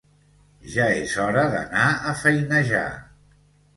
Ja és hora d'anar a feinejar